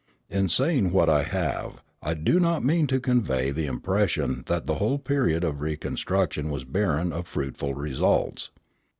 In saying what I have, I do not mean to convey the impression that the whole period of reconstruction was barren of fruitful results.